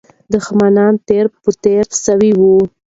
دښمنان تار په تار سوي وو.